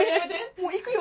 もう行くよ！